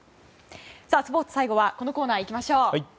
スポーツ、最後はこのコーナーいきましょう。